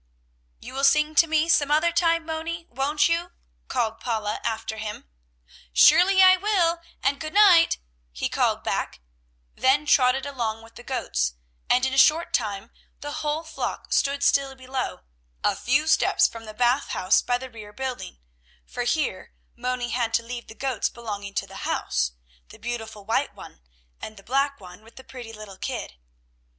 "You will sing to me some other time, Moni, won't you?" called Paula after him. "Surely I will, and good night!" he called back, then trotted along with the goats, and in a short time the whole flock stood still below, a few steps from the Bath House by the rear building, for here Moni had to leave the goats belonging to the house, the beautiful white one and the black one with the pretty little kid.